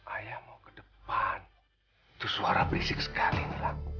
ayah mau ke depan tuh suara berisik sekali nila